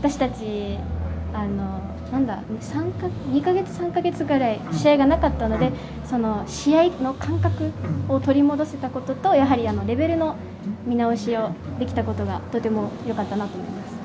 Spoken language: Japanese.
私たち２か月、３か月くらい試合がなかったので試合の感覚を取り戻せたことと、やはりレベルの見直しをできたことがとてもよかったなと思います。